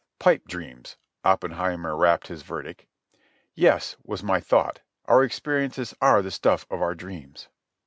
"Pipe dreams," Oppenheimer rapped his verdict. Yes, was my thought; our experiences are the stuff of our dreams.